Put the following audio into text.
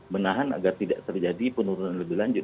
menahan agar tidak terjadi penurunan lebih lanjut